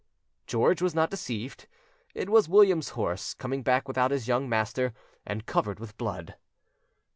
George was not deceived: it was William's horse coming back without his young master and covered with blood.